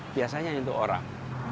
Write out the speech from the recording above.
biasanya itu orang